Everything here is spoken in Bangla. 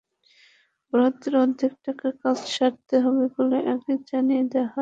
বরাদ্দের অর্ধেক টাকায় কাজ সারতে হবে বলে আগেই জানিয়ে দেওয়া হয়।